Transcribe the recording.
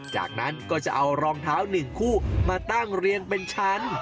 จากนั้นก็จะเอารองเท้า๑คู่มาตั้งเรียงเป็นชั้น